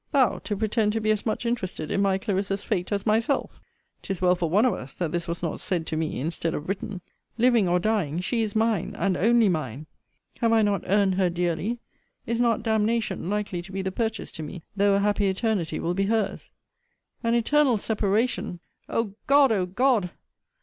Thou to pretend to be as much interested in my Clarissa's fate as myself! 'Tis well for one of us that this was not said to me, instead of written. Living or dying, she is mine and only mine. Have I not earned her dearly? Is not d n n likely to be the purchase to me, though a happy eternity will be her's? An eternal separation! O God! O God!